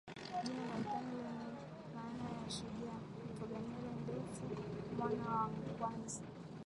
Jina la utani lenye maana ya shujaa mfuga nywele ndefu mwana wa Nkwanzi